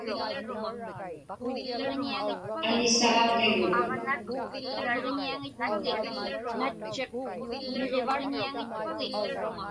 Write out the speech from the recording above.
Anisaaġiruk.